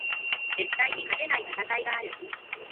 絶対に勝てない戦いがある